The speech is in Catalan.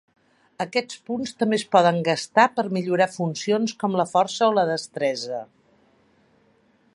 Aquests punts també es poden gastar per millorar funcions com la força o la destresa.